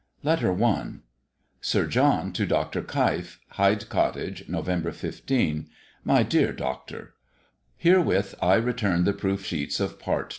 LETTER I. SIR JOHN TO DR. KEIF. HYDE COTTAGE, November 15. MY DEAR DOCTOR, Herewith I return the proof sheets of Part II.